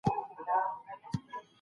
په بیرغ کي کومې نښې انځور سوی وي؟